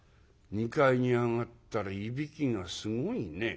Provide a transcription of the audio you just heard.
２階に上がったらいびきがすごいね。